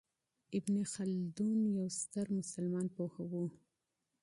ابن خلدون یو ستر مسلمان پوه و.